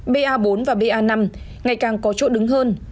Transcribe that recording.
ba bốn và ba năm ngày càng có chỗ đứng hơn